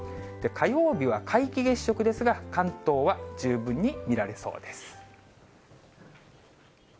火曜日は皆既月食ですが、関東は十分に見られそうです。